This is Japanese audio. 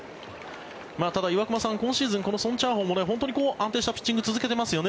ただ、岩隈さん、今シーズンこのソン・チャーホウも本当に安定したピッチングを続けていますよね。